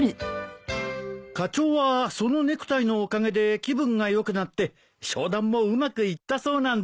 課長はそのネクタイのおかげで気分が良くなって商談もうまくいったそうなんです。